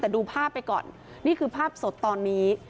แต่ดูภาพไปก่อนนี่คือภาพสดตอนนี้